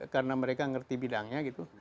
karena mereka ngerti bidangnya gitu